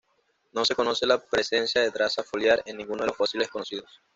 No se conoce la presencia de traza foliar en ninguno de los fósiles conocidos.